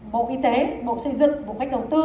bộ y tế bộ xây dựng bộ cách đầu tư